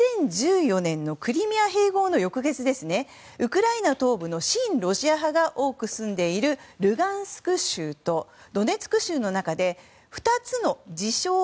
２０１４年のクリミア併合の翌月にウクライナ東部の親ロシア派が多く住んでいるルガンスク州とドネツク州の中で２つの自称